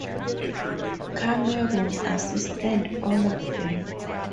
Cameron assisted all of them.